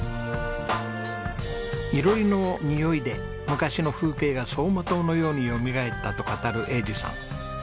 囲炉裏のにおいで昔の風景が走馬灯のようによみがえったと語る栄治さん。